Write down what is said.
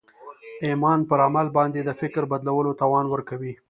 ایمان پر عمل باندې د فکر بدلولو توان ورکوي